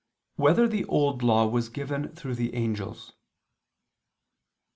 3] Whether the Old Law Was Given Through the Angels?